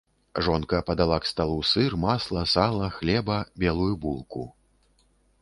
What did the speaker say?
Жонка падала к сталу сыр, масла, сала, хлеба, белую булку.